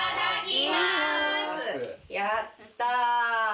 やった。